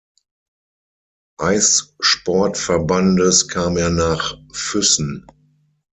Eissport Verbandes kam er nach Füssen.